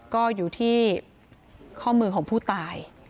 ก็อยู่ที่ข้อมือของผู้ตาย